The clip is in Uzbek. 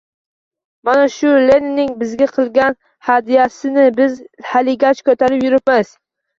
Mana shu, Leninning bizga qilgan «hadya»sini, biz haligacha ko‘tarib yuribmiz